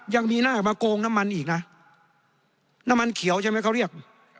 ยังมีหน้ามาโกงน้ำมันอีกนะน้ำมันเขียวใช่ไหมเขาเรียก